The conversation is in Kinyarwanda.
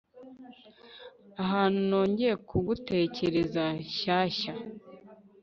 Ahantu nongeye kugutekereza shyashya